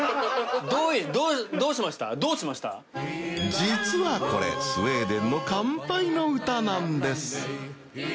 実はこれスウェーデンの乾杯の歌なんです